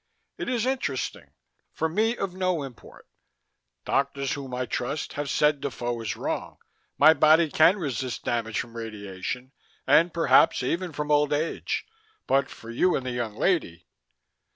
"It is interesting. For me, of no import. Doctors whom I trust have said Defoe is wrong; my body can resist damage from radiation and perhaps even from old age. But for you and the young lady...."